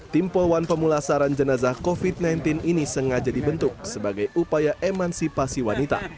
tim poluan pemulasaran jenazah covid sembilan belas ini sengaja dibentuk sebagai upaya emansipasi wanita